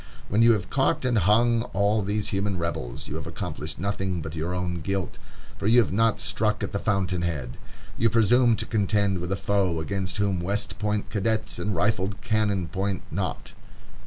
When you have caught and hung all these human rebels, you have accomplished nothing but your own guilt, for you have not struck at the fountain head. You presume to contend with a foe against whom West Point cadets and rifled cannon point not.